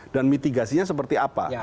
dan mitigasinya seperti apa